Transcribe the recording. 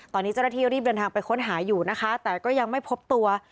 ตอนนี้เจ้าหน้าที่รีบเดินทางไปค้นหาอยู่นะคะแต่ก็ยังไม่พบตัว